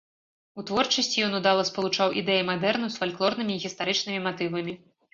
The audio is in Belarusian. У творчасці ён удала спалучаў ідэі мадэрну з фальклорнымі і гістарычнымі матывамі.